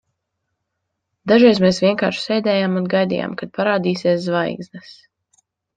Dažreiz mēs vienkārši sēdējām un gaidījām, kad parādīsies zvaigznes.